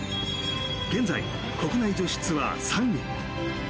現在、国内女子ツアー３位。